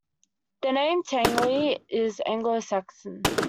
The name Tangley is Anglo-Saxon.